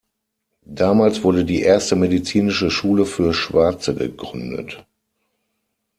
Damals wurde die erste medizinische Schule für Schwarze gegründet.